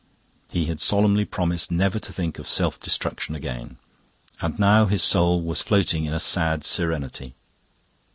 He had solemnly promised never to think of self destruction again. And now his soul was floating in a sad serenity.